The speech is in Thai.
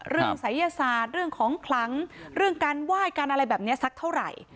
ศัยศาสตร์เรื่องของคลังเรื่องการไหว้การอะไรแบบนี้สักเท่าไหร่